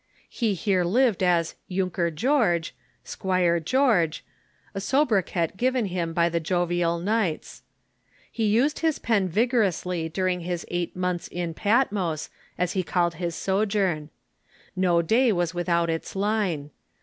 He here lived as "Junker Georg " (Squire George), a sobriquet given him by the jovial knights. Pie used his pen vigorously during his eight months "in Patmos," as he called his sojourn. No day was without its line.